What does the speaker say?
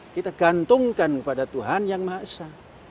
kita gantungkan kepada tuhan yang maha esa